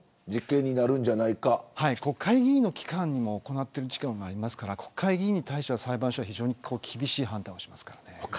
国会議員の期間にも行っている期間がありますから国会議員に対しては裁判所は厳しい反応をします。